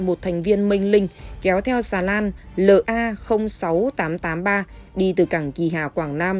một thành viên minh linh kéo theo xà lan la sáu nghìn tám trăm tám mươi ba đi từ cảng kỳ hà quảng nam